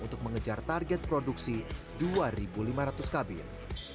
untuk mengejar target produksi dua lima ratus kabin